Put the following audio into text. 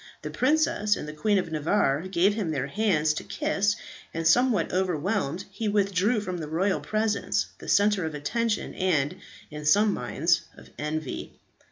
The princess and the Queen of Navarre gave him their hands to kiss; and somewhat overwhelmed, he withdrew from the royal presence, the centre of attention, and, in some minds, of envy.